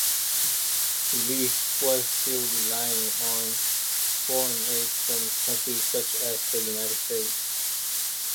Relief was still relying on foreign aid from countries such as the United States.